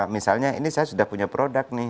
misalnya ini saya sudah punya produk nih